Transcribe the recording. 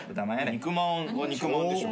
肉まんは肉まんでしょ。